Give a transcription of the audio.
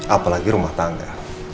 apalagi rumah tangga